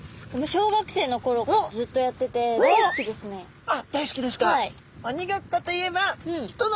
小学生のころずっとやっててあっ大好きですか。